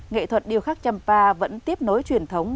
nghệ thuật điêu khắc trăm pa vẫn tiếp nối truyền thống